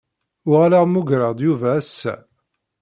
Uɣaleɣ muggreɣ-d Yuba ass-a.